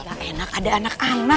gak enak ada anak anak